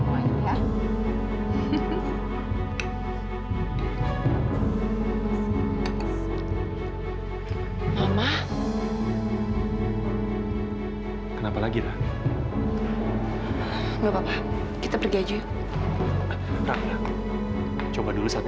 mama mama kenal sama dia